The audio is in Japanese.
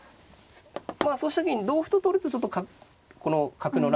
そうした時に同歩と取るとちょっとこの角のラインがね